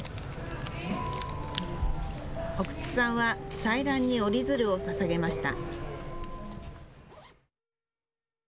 奥津さんは祭壇に折り鶴をささげました。